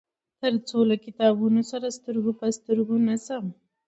تر څو له کتابونه سره سترګو په سترګو نشم.